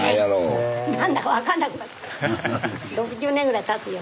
６０年ぐらいたつよ。